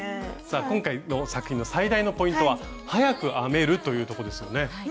さあ今回の作品の最大のポイントは早く編めるというとこですよね。